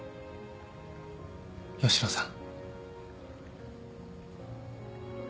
吉野さん。